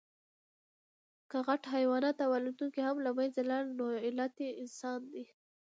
که غټ حیوانات او الوتونکي هم له منځه لاړل، نو علت انسان دی.